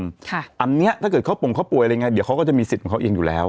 อันนี้ถ้าเกิดเขาปงเขาป่วยอะไรไงเดี๋ยวเขาก็จะมีสิทธิ์ของเขาเองอยู่แล้ว